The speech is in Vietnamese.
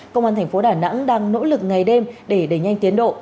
công an thành phố đà nẵng đang nỗ lực ngày đêm để đẩy nhanh tiến độ